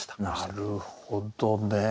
なるほどね。